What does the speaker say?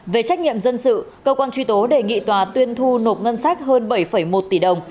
về trách nhiệm dân sự cơ quan truy tố đề nghị tòa tuyên thu nộp ngân sách hơn bảy một tỷ đồng